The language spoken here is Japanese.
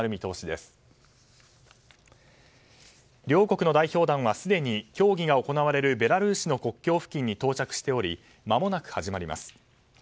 両国の代表団はすでに協議が行われるベラルーシの国境付近に到着しておりまもなく始まります。